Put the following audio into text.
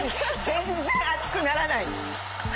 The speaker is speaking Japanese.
全然熱くならない。